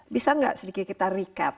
bisa nggak sedikit kita recap